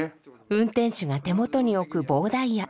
運転手が手元に置く「棒ダイヤ」。